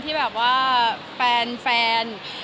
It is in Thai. ที่แบบว่าแฟน